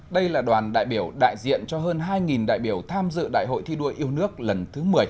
đây là đoàn đại biểu đại diện cho hơn hai đại biểu tham dự đại hội thi đua yêu nước lần thứ một mươi